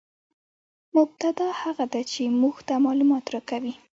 مبتداء هغه ده، چي موږ ته معلومات راکوي.